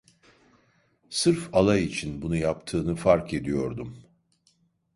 Sırf alay için bunu yaptığını fark ediyordum.